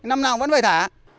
năm nào cũng vẫn phải thả